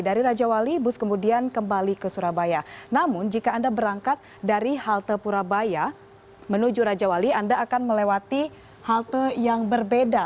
dari rajawali bus kemudian kembali ke surabaya namun jika anda berangkat dari halte purabaya menuju rajawali anda akan melewati halte yang berbeda